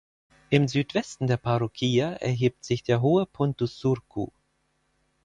Im Südwesten der Parroquia erhebt sich der hohe Puntusurcu.